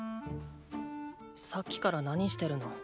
さっきから何してるの？